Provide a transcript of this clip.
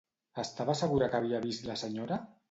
Estava segura que havia vist la senyora?